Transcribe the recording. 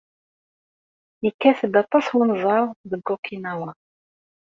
Yekkat-d aṭas wenẓar deg Okinawa.